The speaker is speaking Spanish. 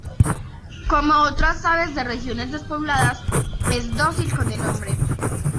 Como otras aves de regiones despobladas, es dócil con el hombre.